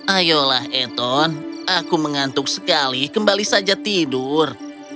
ayolah eton aku mengantuk sekali kembali saja tidur